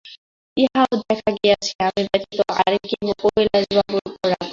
ইহাও দেখা গিয়াছে আমি ব্যতীত আর কেহ কৈলাসবাবুর উপর রাগ করিত না।